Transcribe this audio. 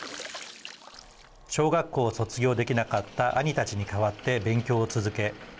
小学校を卒業できなかった兄たちに代わって勉強を続け